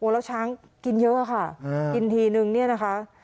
แล้วช้างกินเยอะค่ะกินทีนึงเนี่ยนะคะ